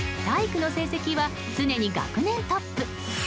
体育の成績は常に学年トップ。